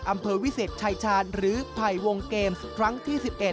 อำเภอวิเศษชายชาญหรือไผ่วงเกมส์ครั้งที่๑๑